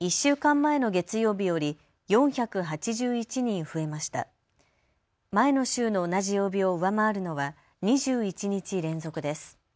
前の週の同じ曜日を上回るのは２１日連続です。